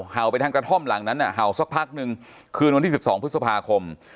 เห่าไปทางกระท่อมหลังนั้นเห่าสักพักนึงคืนวันที่๑๒พฤษภาคม